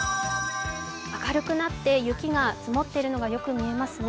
明るくなって、雪が積もっているのがよく見えますね。